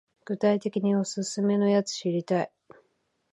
具体的にオススメのやつ知りたい